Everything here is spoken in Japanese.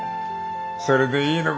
それでいいのか？